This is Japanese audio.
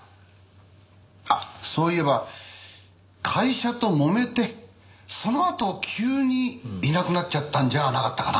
あっそういえば会社ともめてそのあと急にいなくなっちゃったんじゃなかったかな？